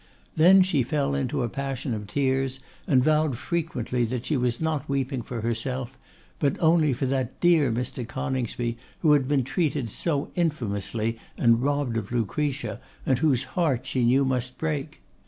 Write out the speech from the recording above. Then she fell into a passion of tears, and vowed frequently that she was not weeping for herself, but only for that dear Mr. Coningsby, who had been treated so infamously and robbed of Lucretia, and whose heart she knew must break.